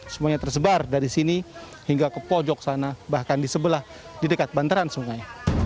semuanya tersebar dari sini hingga ke pojok sana bahkan di sebelah di dekat bantaran sungai